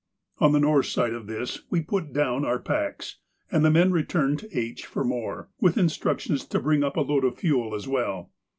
On the north side of this we put down our packs, and the men returned to H for more, with instructions to bring up a load of fuel as well.